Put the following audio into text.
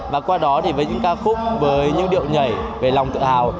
và qua đó thì với những ca khúc với những điệu nhảy về lòng tự hào